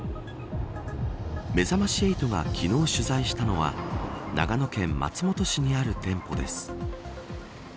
めざまし８が昨日取材したのは長野県松本市にある店舗です。